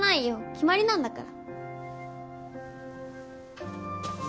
決まりなんだから。